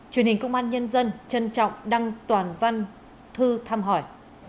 truyền hình công an nhân dân trân trọng đăng toàn văn thư thăm hỏi